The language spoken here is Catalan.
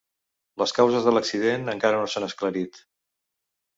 Les causes de l’accident encara no s’han esclarit.